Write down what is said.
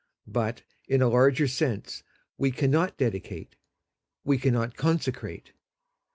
But, in a larger sense, we cannot dedicate. . .we cannot consecrate.